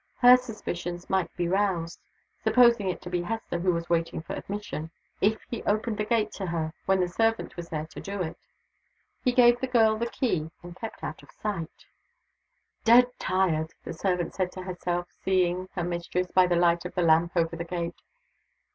Her suspicions might be roused (supposing it to be Hester who was waiting for admission) if he opened the gate to her when the servant was there to do it. He gave the girl the key, and kept out of sight. "Dead tired!" the servant said to herself, seeing her mistress by the light of the lamp over the gate.